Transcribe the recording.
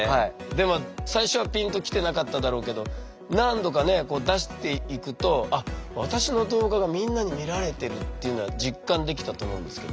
でも最初はピンと来てなかっただろうけど何度かね出していくとあっ私の動画がみんなに見られてるっていうのは実感できたと思うんですけど。